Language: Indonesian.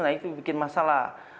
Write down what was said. nah itu bikin masalah